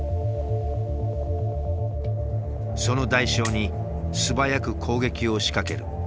その代償に素早く攻撃を仕掛ける激しい戦法だ。